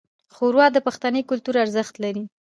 ښوروا د پښتني کلتور ارزښت لري.